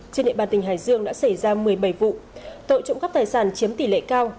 trên địa bàn tỉnh hải dương đã xảy ra một mươi bảy vụ tội trộm cắp tài sản chiếm tỷ lệ cao